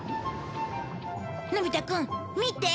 のび太くん見て！